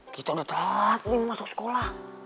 kita udah telat nih mau masuk sekolah